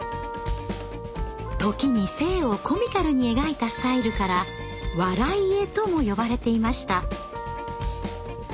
時に性をコミカルに描いたスタイルから「笑い絵」とも呼ばれていました。